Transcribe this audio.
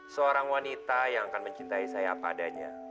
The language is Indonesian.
seorang wanita yang akan mencintai saya apa adanya